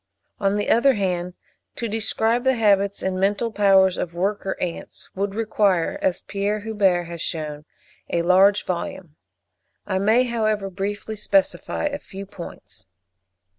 On the other hand, to describe the habits and mental powers of worker ants, would require, as Pierre Huber has shewn, a large volume; I may, however, briefly specify a few points.